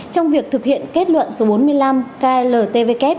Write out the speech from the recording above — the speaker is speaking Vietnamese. trong việc thực hiện kết luận số bốn mươi năm kltvk